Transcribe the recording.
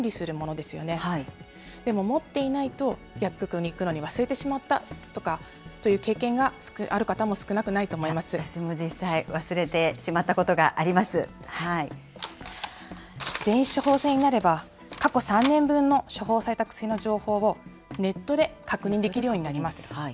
でも持っていないと、薬局に行くのに忘れてしまったとかという経験がある方も少なくな私も実際忘れてしまったこと電子処方箋になれば、過去３年分の処方された薬の情報をネットで確認できるようになります。